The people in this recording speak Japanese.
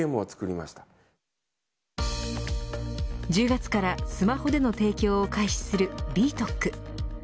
１０月からスマホでの提供を開始するＢＴＯＣ。